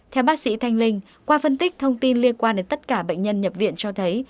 theo bác sĩ thanh linh qua phân tích thông tin liên quan đến tất cả bệnh nhân nhập viện cho thấy